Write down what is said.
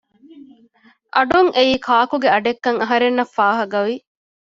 އަޑުން އެއީ ކާކުގެ އަޑެއްކަން އަހަރެންނަށް ފާހަގަވި